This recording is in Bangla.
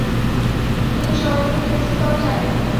যদি সময়মতো টেক্সি পাওয়া যায়!